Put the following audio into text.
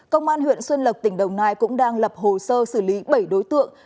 công an huyện xuân lộc tỉnh đồng nai cũng đang lập hồ sơ xử lý bảy đối tượng